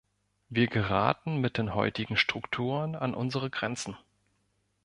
Wir geraten mit den heutigen Strukturen an unsere Grenzen.